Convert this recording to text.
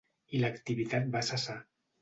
I l'activitat va cessar.